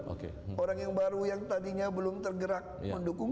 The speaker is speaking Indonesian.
orang yang baru yang tadinya belum tergerak mendukung